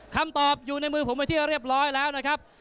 คำตอบอยู่ในมือผมไปที่เรียบร้อยแล้วนะครับ